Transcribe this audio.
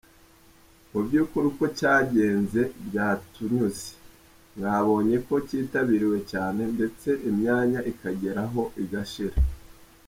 Mu by’ukuri uko cyagenze byatunyuze, mwabonye ko cyitabiriwe cyane ndetse imyanya ikageraho igashira.